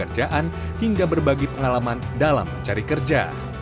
pekerjaan hingga berbagi pengalaman dalam mencari kerja